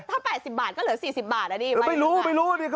ถ้า๘๐บาทก็เหลือ๔๐บาทอ่ะดี